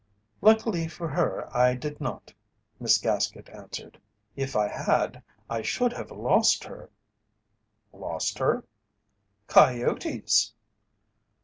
"Luckily for her I did not," Miss Gaskett answered. "If I had, I should have lost her." "Lost her?" "Coyotes."